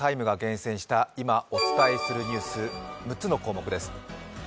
「ＴＨＥＴＩＭＥ，」が厳選した今お伝えするニュース６つの項目です。